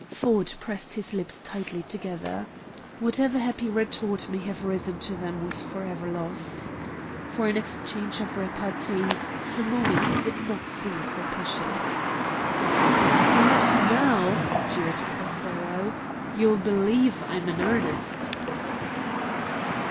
Ford pressed his lips tightly together. Whatever happy retort may have risen to them was forever lost. For an exchange of repartee, the moment did not seem propitious. "Perhaps now," jeered Prothero, "you'll believe I'm in earnest!"